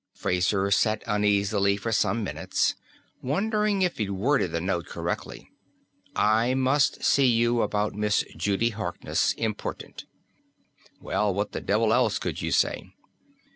Fraser sat uneasily for some minutes, wondering if he'd worded the note correctly. I must see you about Miss Judy Harkness. Important. Well, what the devil else could you say?